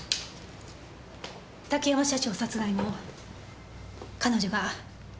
竹山社長殺害も彼女が。